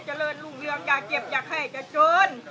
เจริญลูกเรืองอยากเก็บอยากให้อยากเจิญ